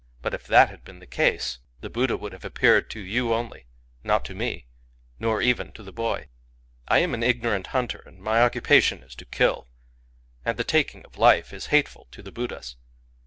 But if that had been the case, the Buddha would have appeared to you only — not to me, nor even to the boy. I am an ignorant hunter, and my occupation is to kill; — and the taking of life is hateful to the Buddhas.